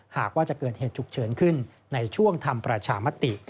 หากว่าจะเกิดเหตุฉุกเฉินขึ้นในช่วงทำประชามติ